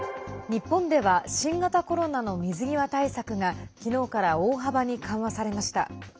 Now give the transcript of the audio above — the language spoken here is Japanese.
日本では新型コロナの水際対策が昨日から大幅に緩和されました。